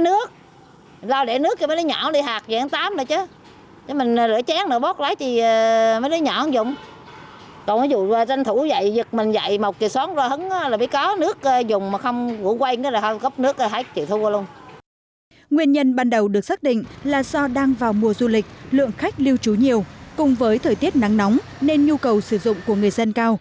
nguyên nhân ban đầu được xác định là do đang vào mùa du lịch lượng khách lưu trú nhiều cùng với thời tiết nắng nóng nên nhu cầu sử dụng của người dân cao